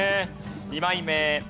２枚目。